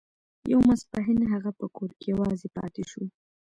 يو ماسپښين هغه په کور کې يوازې پاتې شو.